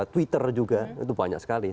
twitter juga itu banyak sekali